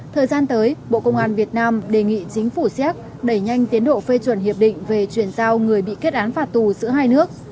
thời gian tới bộ công an việt nam đề nghị chính phủ xéc đẩy nhanh tiến độ phê chuẩn hiệp định về chuyển giao người bị kết án phạt tù giữa hai nước